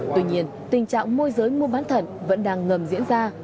tuy nhiên tình trạng môi giới mua bán thận vẫn đang ngầm diễn ra